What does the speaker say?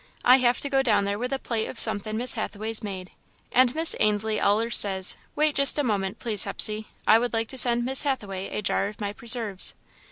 I have to go down there with a plate of somethin' Miss Hathaway's made, and Miss Ainslie allers says: 'Wait just a moment, please, Hepsey, I would like to send Miss Hathaway a jar of my preserves.'"